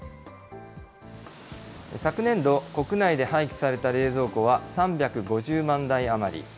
昨年度、国内で廃棄された冷蔵庫は３５０万台余り。